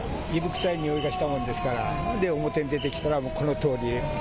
臭いにおいがしたもんですから表へ出てきたらこのとおり。